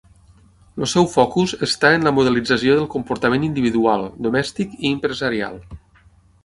El seu focus està en la modelització del comportament individual, domèstic i empresarial.